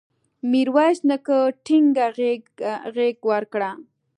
میرویس نیکه ټینګه غېږ ورکړه.